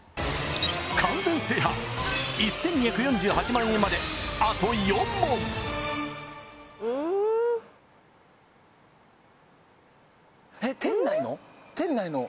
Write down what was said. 完全制覇１２４８万円まであと４問えっ店内の？